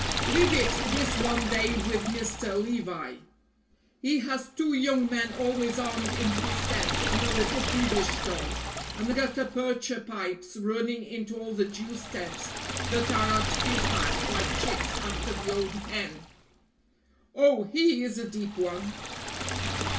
"Leave it this one day with Mr. Levi; he has got two young men always armed in his tent, and a little peevish dog, and gutta percha pipes running into all the Jews' tents that are at his back like chicks after the old hen." "Oh, he is a deep one."